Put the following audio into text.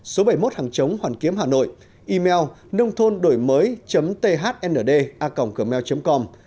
số bảy mươi một hàng chống hoàn kiếm hà nội email nôngthondổimới thnda gmail com